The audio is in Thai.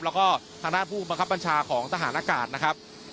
แล้วก็ทางด้านผู้บังคับบัญชาของทหารอากาศนะครับ